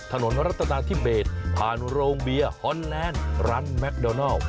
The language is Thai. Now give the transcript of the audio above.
รัฐนาธิเบสผ่านโรงเบียร์ฮอนแลนด์ร้านแมคโดนัล